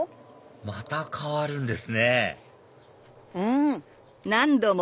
また変わるんですねうん！